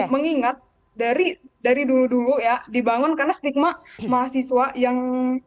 mengingat dari dulu dulu ya dibangun karena stigma mahasiswa yang